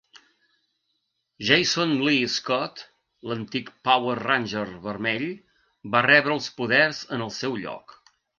Jason Lee Scott, l'antic Power Ranger vermell, va rebre els poders en el seu lloc.